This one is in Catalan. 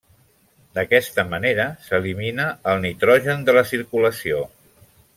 D'aquesta manera s'elimina el nitrogen de la circulació.